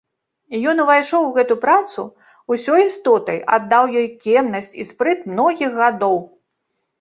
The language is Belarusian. Ён увайшоў у гэту працу ўсёй істотай, аддаў ёй кемнасць і спрыт многіх гадоў.